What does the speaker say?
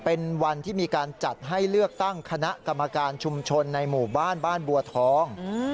เป็นวันที่มีการจัดให้เลือกตั้งคณะกรรมการชุมชนในหมู่บ้านบ้านบัวทอง